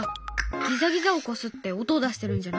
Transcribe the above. ギザギザをこすって音を出してるんじゃない？